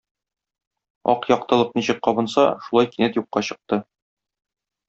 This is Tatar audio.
Ак яктылык ничек кабынса, шулай кинәт юкка чыкты.